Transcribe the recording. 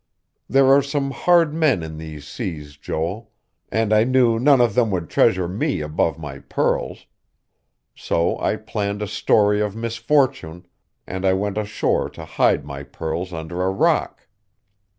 There are some hard men in these seas, Joel; and I knew none of them would treasure me above my pearls. So I planned a story of misfortune, and I went ashore to hide my pearls under a rock.